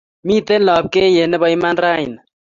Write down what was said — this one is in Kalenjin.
Miten lapkeiyet nebo Iman raini